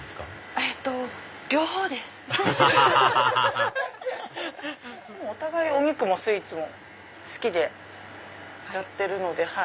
アハハハハお互いお肉もスイーツも好きでやってるので。